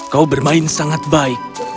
kau bermain sangat baik